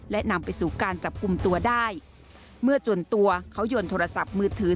และนำไปสู่การจับกลุ่มตัวได้เมื่อจนตัวเขายนโทรศัพท์มือถือ